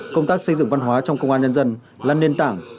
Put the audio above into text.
công tác xây dựng văn hóa trong công an nhân dân là nền tảng